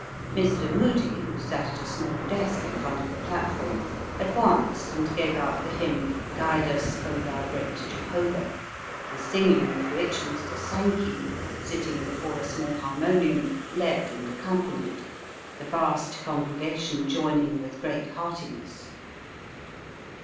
Mr. Moody, who sat at a small desk in front of the platform, advanced and gave out the hymn, "Guide us, O Thou Great Jehovah," the singing of which Mr. Sankey, sitting before a small harmonium, led and accompanied, the vast congregation joining with great heartiness.